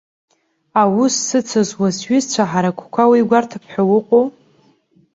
Аус сыцызуа сҩызцәа ҳаракқәа уи гәарҭап ҳәа уҟоу?!